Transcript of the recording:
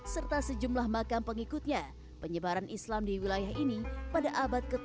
serta sejumlah makam pengikutnya penyebaran islam di wilayah ini pada abad ke tujuh belas